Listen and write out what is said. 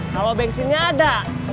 kalau bensinnya ada